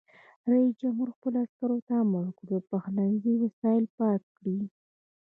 رئیس جمهور خپلو عسکرو ته امر وکړ؛ د پخلنځي وسایل پاک کړئ!